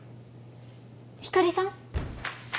ひかりさん？